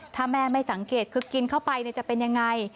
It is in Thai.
ถ้าแม่ไม่สังเกตคือกินเข้าไปจะเป็นยังไง